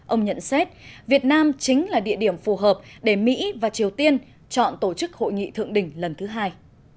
ông nhận xét việt nam chính là địa điểm phù hợp để mỹ và triều tiên chọn tổ chức hội nghị thượng đỉnh lần thứ hai